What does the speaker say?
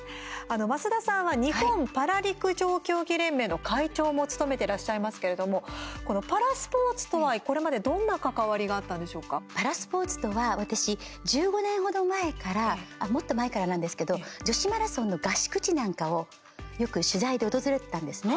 増田さんは日本パラ陸上競技連盟の会長も務めてらっしゃいますけれどもパラスポーツとはこれまでどんな関わりがパラスポーツとは私、１５年程前からもっと前からなんですけど女子マラソンの合宿地なんかをよく取材で訪れてたんですね。